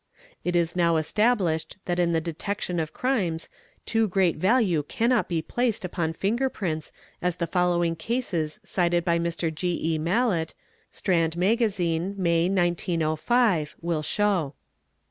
It is now established that in the detection of crimes too great value cannot be placed upon finger prints as the following cases cited by Mr. G. EH. Mallett (Strand } Magazine, May, 1905) will show.